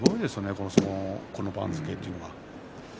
この相撲でこの番付というのがね。